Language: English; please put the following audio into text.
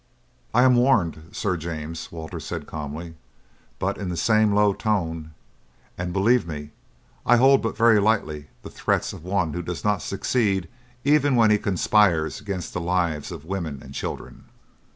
"I am warned, Sir James," Walter said calmly, but in the same low tone, "and, believe me, I hold but very lightly the threats of one who does not succeed even when he conspires against the lives of women and children."